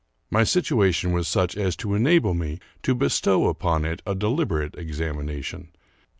My situation was such as to enable me to bestow upon it a deliberate examination.